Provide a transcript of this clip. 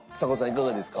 いかがですか？